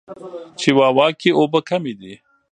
چیواوا کې اوبه کمې دي.